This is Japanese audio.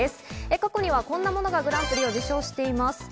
過去にはこんなものがグランプリを受賞しています。